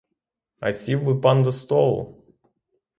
А сів би пан до столу!